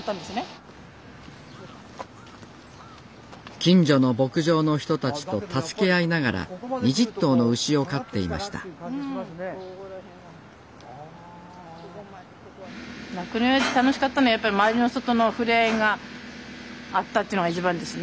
近所の牧場の人たちと助け合いながら２０頭の牛を飼っていました酪農やって楽しかったのはやっぱり周りの人とのふれあいがあったというのが一番ですね。